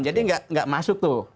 jadi nggak masuk tuh